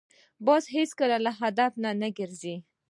باز هېڅکله له هدفه نه ګرځي